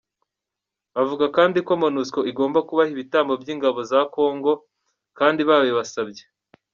Avuga kandi ko Monusco igomba kubaha ibitambo by’ingabo za Congo kandi babibasabye.